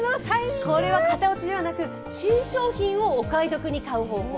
これは型落ちではなく新商品をお買い得に買う方法。